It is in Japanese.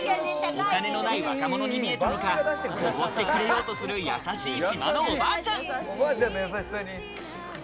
お金のない若者に見えたのか、おごってくれようとするやさしい島のおばあちゃん。